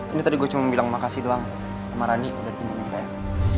ini tadi gue cuma bilang makasih doang sama rani udah ditunjangin pr